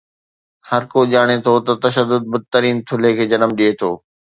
هرڪو ڄاڻي ٿو ته تشدد بدترين ٿلهي کي جنم ڏئي ٿو.